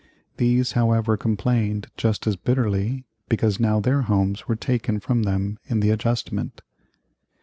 These, however, complained just as bitterly because now their homes were taken from them in the adjustment.